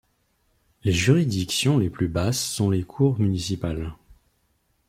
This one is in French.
Les juridictions les plus basses sont les cours municipales.